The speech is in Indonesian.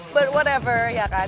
but whatever ya kan